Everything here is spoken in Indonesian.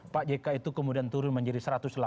pak jk itu kemudian turun menjadi satu ratus delapan puluh